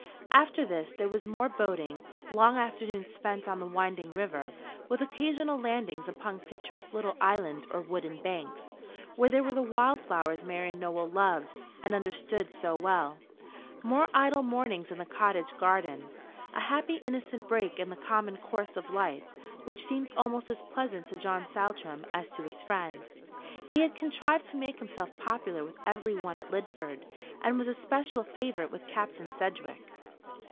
After this there was more boating long afternoons spent on the winding river, with occasional landings upon picturesque little islands or wooded banks, where there were the wild flowers Marian Nowell loved and understood so well; more idle mornings in the cottage garden a happy innocent break in the common course of life, which seemed almost as pleasant to John Saltram as to his friend. He had contrived to make himself popular with every one at Lidford, and was an especial favourite with Captain Sedgewick.